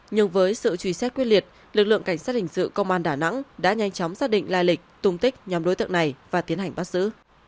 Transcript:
nhưng với sự truy xét quyết liệt lực lượng cảnh sát hình sự công an đà nẵng đã nhanh chóng xác định lai lịch tung tích nhóm đối tượng này và tiến hành bắt giữ